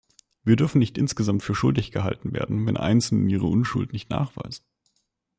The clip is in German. Wir dürfen nicht insgesamt für schuldig gehalten werden, wenn Einzelne ihre Unschuld nicht nachweisen.